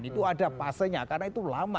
itu ada fasenya karena itu lama